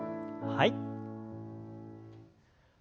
はい。